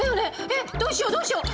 えっどうしようどうしよう。